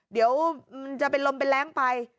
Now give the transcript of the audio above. เดี๋ยวมันจะเป็นลมเป็นแรงไป